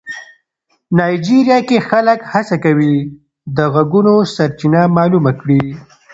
نایجیریا کې خلک هڅه کوي د غږونو سرچینه معلومه کړي.